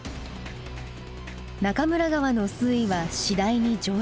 中村川の水位は次第に上昇。